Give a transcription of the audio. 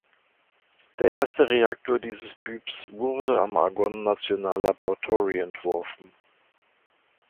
Der erste Reaktor dieses Typs wurde am Argonne National Laboratory entworfen.